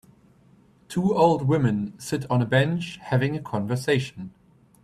Two old women sit on a bench having a conversation.